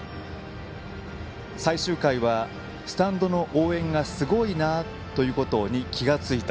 最終回はスタンドの応援がすごいなということに気が付いた。